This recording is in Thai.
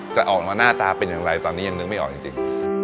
จะออกมาหน้าตาเป็นอย่างไรตอนนี้ยังนึกไม่ออกจริง